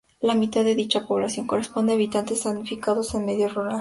La mitad de dicha población corresponde a habitantes afincados en el medio rural.